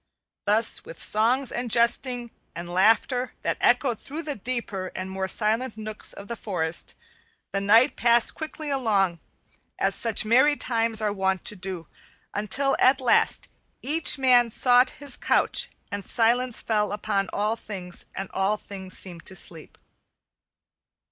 Thus with songs and jesting and laughter that echoed through the deeper and more silent nooks of the forest, the night passed quickly along, as such merry times are wont to do, until at last each man sought his couch and silence fell on all things and all things seemed to sleep.